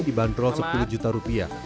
dibanderol sepuluh juta rupiah